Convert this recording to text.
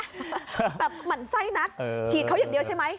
แต่หมั่นไส้นักฉีดเขาอย่างเดียวใช่ไหม